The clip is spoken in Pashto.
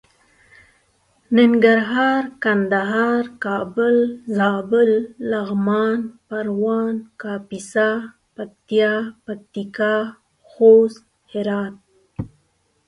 ننګرهار کندهار کابل زابل لغمان پروان کاپيسا پکتيا پکتيکا خوست هرات